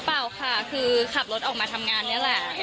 เปล่าค่ะคือขับรถออกมาทำงานนี่แหละ